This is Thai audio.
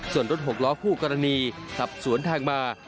ส่วนรถหกล้อคู่กรณีขับสวนทางมา